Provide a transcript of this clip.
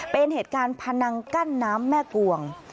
เป็นเหตุการณ์พนังกั้นน้ำแม่กวง